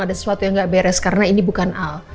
ada sesuatu yang gak beres karena ini bukan al